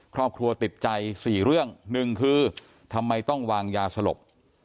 ครอบครัวติดใจ๔เรื่องหนึ่งคือทำไมต้องวางยาสลบ